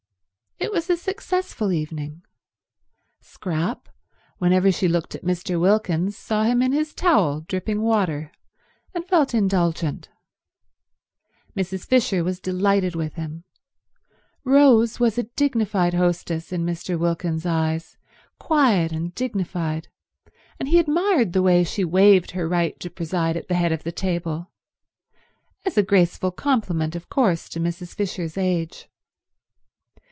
It was a successful evening. Scrap, whenever she looked at Mr. Wilkins, saw him in his towel, dripping water, and felt indulgent. Mrs. Fisher was delighted with him. Rose was a dignified hostess in Mr. Wilkins's eyes, quiet and dignified, and he admired the way she waived her right to preside at the head of the table—as a graceful compliment, of course, to Mrs. Fisher's age.